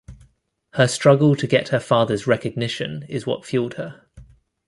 Her struggle to get her father's recognition is what fueled her.